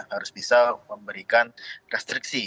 harus bisa memberikan restriksi